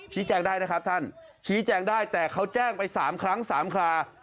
แจ้งได้นะครับท่านชี้แจงได้แต่เขาแจ้งไป๓ครั้ง๓ครา